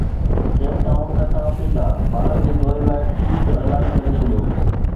Cape Town ڏکڻ Africa Bharat جي دوري لاءِ ٽيم جو اعلان ڪري ڇڏيو